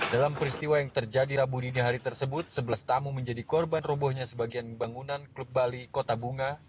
dalam peristiwa yang terjadi rabu dini hari tersebut sebelas tamu menjadi korban robohnya sebagian bangunan klub bali kota bunga